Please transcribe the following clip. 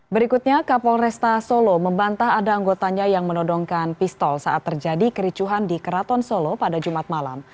berikutnya kapolresta solo membantah ada anggotanya yang menodongkan pistol saat terjadi kericuhan di keraton solo pada jumat malam